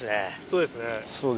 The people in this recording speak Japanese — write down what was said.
そうです。